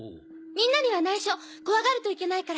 みんなには内緒怖がるといけないから。